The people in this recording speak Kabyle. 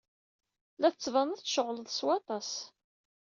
La d-tettbaned tceɣled s waṭas.